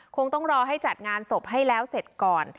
คงต้องรอให้จัดงานศพให้แล้วเสร็จก่อน